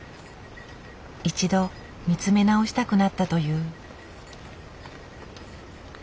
一度見つめ直したくなったという。